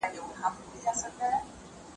د دردونو او غمونو نرۍ لاري را ته ګوري.